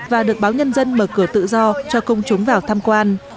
và được báo nhân dân mở cửa tự do cho công chúng vào tham quan